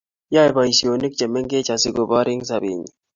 yae boisionik chemengech asigoboor eng sobenyi